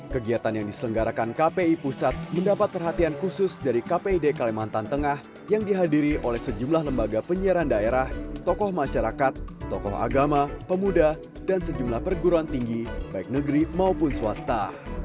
kegiatan yang diselenggarakan kpi pusat mendapat perhatian khusus dari kpid kalimantan tengah yang dihadiri oleh sejumlah lembaga penyiaran daerah tokoh masyarakat tokoh agama pemuda dan sejumlah perguruan tinggi baik negeri maupun swasta